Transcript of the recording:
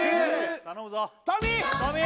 頼むぞトミー！